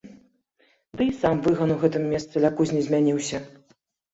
Ды і сам выган у гэтым месцы ля кузні змяніўся.